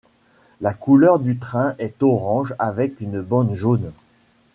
La couleur du train est orange avec une bande jaune.